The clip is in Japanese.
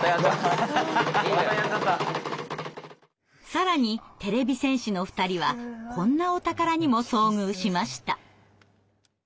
更にてれび戦士の２人はこんなお宝にも遭遇しました。